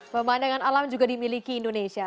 pemandangan alam juga dimiliki indonesia